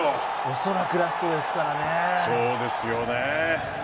おそらくラストですからね。